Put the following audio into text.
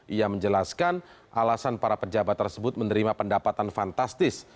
ia menjelaskan alasan para pejabat tersebut menerima pendapatan fantastis